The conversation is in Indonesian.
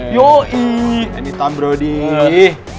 ini tam bro dih